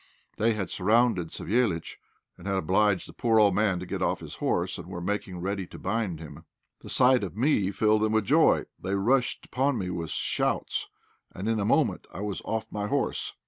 They had surrounded Savéliitch, and had obliged the poor old man to get off his horse, and were making ready to bind him. The sight of me filled them with joy. They rushed upon me with shouts, and in a moment I was off my horse.